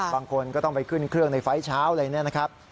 บางคนก็ต้องไปขึ้นเครื่องในไฟล์เช้าอะไรเนี่ยนะครับ